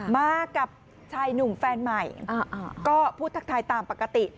มากับชายหนุ่มแฟนใหม่ก็พูดทักทายตามปกติ